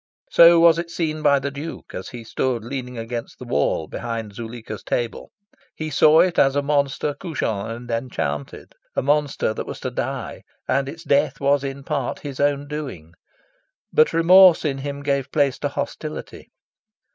So was it seen by the Duke, as he stood leaning against the wall, behind Zuleika's table. He saw it as a monster couchant and enchanted, a monster that was to die; and its death was in part his own doing. But remorse in him gave place to hostility.